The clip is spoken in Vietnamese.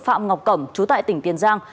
phạm ngọc cẩm chú tại tỉnh tiền giang